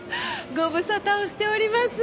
ご無沙汰をしております。